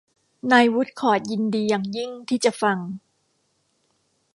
นายวูดคอร์ทยินดีอย่างยิ่งที่จะฟัง